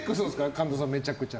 神田さんは、めちゃくちゃ。